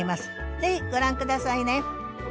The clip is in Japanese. ぜひご覧下さいね。